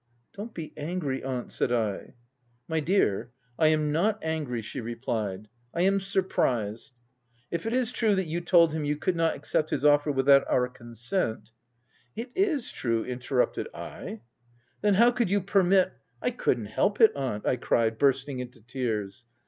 " Don't be angry, aunt," said I. " My dear, I am not angry 9 " she replied :" I am surprised. If it is true that you told him you could not accept his offer without our consent— " 6( It is true," interrupted I. Si Then how could you permit —"" I could'nt help it, aunt," I cried bursting into tears.